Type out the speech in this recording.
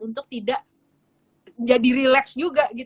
untuk tidak jadi relax juga